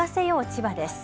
千葉です。